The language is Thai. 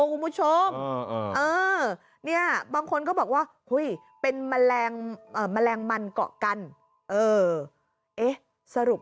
คุณผู้ชมเนี่ยบางคนก็บอกว่าเป็นแมลงแมลงมันเกาะกันสรุป